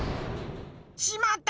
しまった！